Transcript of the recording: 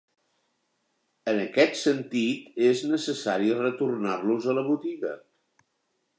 En aquest sentit és necessari retornar-los a la botiga.